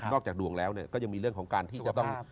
จากดวงแล้วก็ยังมีเรื่องของการที่จะต้อง